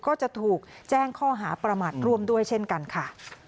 ก็จะถูกแจ้งข้อหาประมาทร่วมด้วยเช่นกันค่ะ